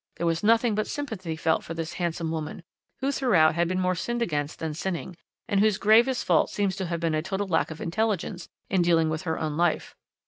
There was nothing but sympathy felt for this handsome woman, who throughout had been more sinned against than sinning, and whose gravest fault seems to have been a total lack of intelligence in dealing with her own life.